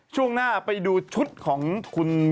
ช่วงหน้าไปดูชุดของคุณ